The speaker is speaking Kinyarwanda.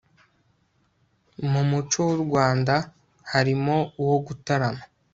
mu muco w'u rwanda harimo uwo gutarama